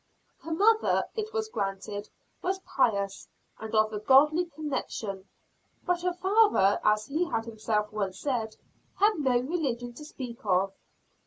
Her mother, it was granted, was "pious," and of a "godly" connection; but her father, as he had himself once said, "had no religion to speak of."